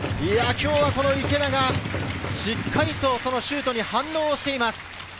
今日は池田がしっかりとシュートに反応しています。